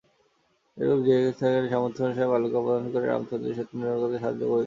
এইরূপে সে নিজের সামর্থ্যানুসারে বালুকা প্রদান করিয়া রামচন্দ্রের সেতু-নির্মাণকার্যে সাহায্য করিতেছিল।